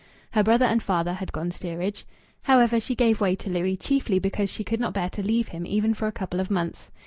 Her brother and father had gone steerage. However, she gave way to Louis, chiefly because she could not bear to leave him even for a couple of months.